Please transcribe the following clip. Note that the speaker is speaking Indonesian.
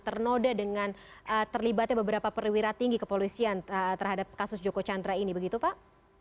ternoda dengan terlibatnya beberapa perwira tinggi kepolisian terhadap kasus joko chandra ini begitu pak